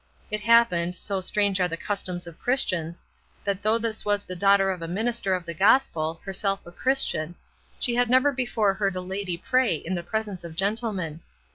It happened, so strange are the customs of Christians, that though this was the daughter of a minister of the gospel, herself a Christian, she had never before heard a lady pray in the presence of gentlemen.